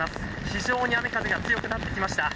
非常に雨、風が強くなってきました。